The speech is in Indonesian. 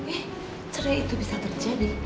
eh cerai itu bisa terjadi